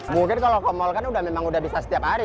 mungkin kalau ke mall kan sudah bisa setiap hari